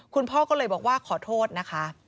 คุณพ่อก็เลยบอกว่าขอโทษนะคะ